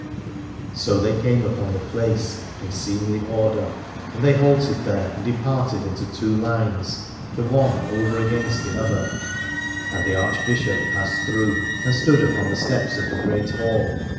So they came upon the place in seemly 310 Alad ore order, and they halted there and departed into two lines the one over against the other: and the Archbishop passed through and stood upon the steps of the Great Hall.